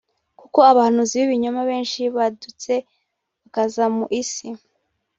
kuko abahanuzi b’ibinyoma benshi badutse bakaza mu Isi…